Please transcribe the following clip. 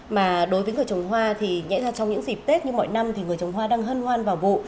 mà đối với người trồng hoa thì nghĩa là trong những dịp tết như mọi năm thì người trồng hoa đang hân hoan vào vụ